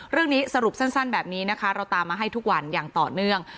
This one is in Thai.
เรื่องนี้สรุปสั้นแบบนี้นะคะเราตามมาให้ทุกวันอย่างต่อเนื่อง